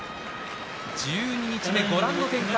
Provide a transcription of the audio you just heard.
十二日目、ご覧の展開。